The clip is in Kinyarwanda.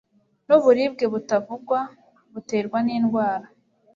n’uburibwe butavugwa buterwa n’indwara